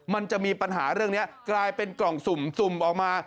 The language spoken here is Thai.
มันจะมีปัญหาเรื่องนี้กลายเป็นกล่องสุ่มสุ่มออกมา